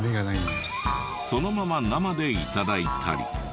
そのまま生で頂いたり。